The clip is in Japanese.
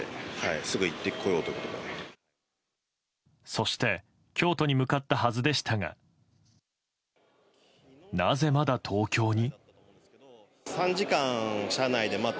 そして京都に向かったはずでしたがなぜまだ東京に。